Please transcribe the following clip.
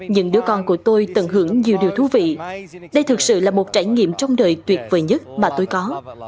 những đứa con của tôi tận hưởng nhiều điều thú vị đây thực sự là một trải nghiệm trong đời tuyệt vời nhất mà tôi có